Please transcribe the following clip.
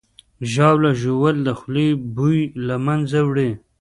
ژاوله ژوول د خولې بوی له منځه وړي.